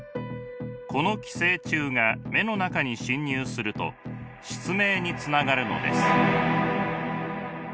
この寄生虫が目の中に侵入すると失明につながるのです。